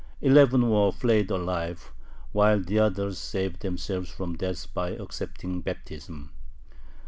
Eleven were flayed alive, while the others saved themselves from death by accepting baptism.